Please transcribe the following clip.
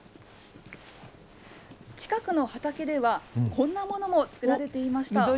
近くの畑では、こんなものも作られていました。